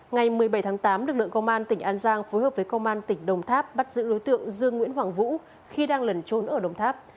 ngày một mươi bảy tháng tám lực lượng công an tỉnh an giang phối hợp với công an tỉnh đồng tháp bắt giữ đối tượng dương nguyễn hoàng vũ khi đang lẩn trốn ở đồng tháp